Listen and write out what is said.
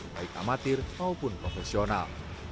baik amatir maupun profesional